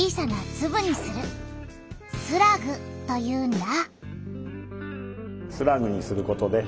「スラグ」というんだ。